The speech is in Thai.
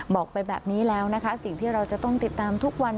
บอกไปแบบนี้แล้วนะคะสิ่งที่เราจะต้องติดตามทุกวัน